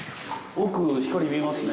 奥に光見えますね。